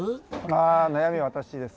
あ悩み私です。